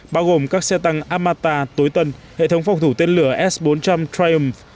bao gồm các xe tăng armata tối tân hệ thống phòng thủ tên lửa s bốn trăm linh triumph